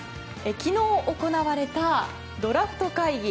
昨日行われたドラフト会議。